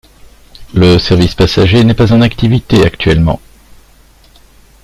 Le service passagers n'est pas en activité actuellement.